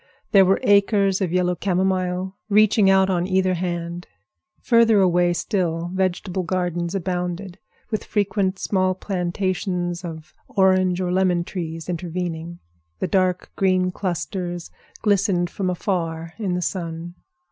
There were acres of yellow camomile reaching out on either hand. Further away still, vegetable gardens abounded, with frequent small plantations of orange or lemon trees intervening. The dark green clusters glistened from afar in the sun.